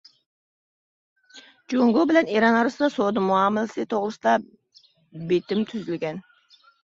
جۇڭگو بىلەن ئىران ئارىسىدا سودا مۇئامىلىسى توغرىسىدا بېتىم تۈزۈلگەن.